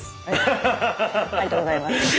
ありがとうございます。